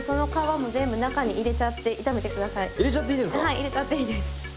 はい入れちゃっていいです。